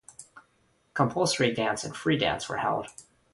Compulsory dance and free dance were held.